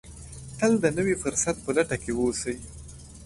تل د نوي فرصت په لټه کې اوسئ.